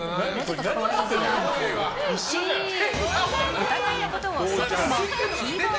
お互いのことを外でもひーぼぉ